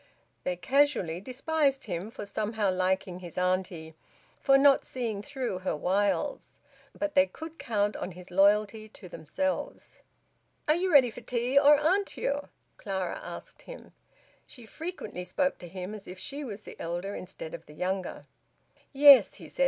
They casually despised him for somehow liking his auntie, for not seeing through her wiles; but they could count on his loyalty to themselves. "Are you ready for tea, or aren't you?" Clara asked him. She frequently spoke to him as if she was the elder instead of the younger. "Yes," he said.